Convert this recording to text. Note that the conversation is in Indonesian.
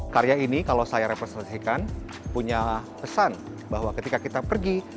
karya ini kalau saya representasikan punya pesan bahwa ketika kita pergi